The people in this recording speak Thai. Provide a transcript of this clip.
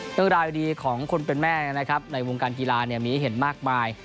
เรื่องราวดีของคนเป็นแม่นะครับในวงการกีฬามีให้เห็นมากมาย